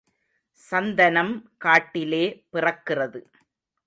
சந்தனம் காட்டிலே பிறக்கிறது.